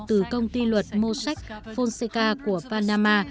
từ công ty luật mossack fonseca của panama